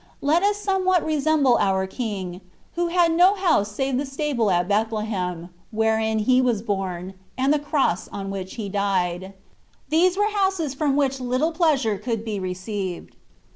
Let us somewhat resem ble our King, Who had no house save the stable at Bethlehem, wherein He was born, and the cross on which He died. These were houses from which little pleasure could be received.